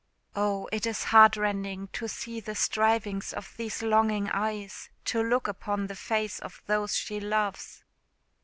Oh! it is heartrending to see the strivings of these longing eyes to look upon the face of those she loves!"